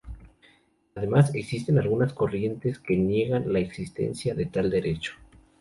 Además, existen algunas corrientes que niegan la existencia de tal derecho.